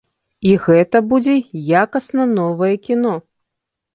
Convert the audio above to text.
І гэта будзе якасна новае кіно.